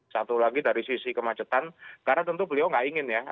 satu lagi dari sisi kemacetan karena tentu beliau nggak ingin ya